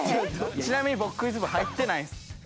ちなみに僕クイズ部入ってないんです。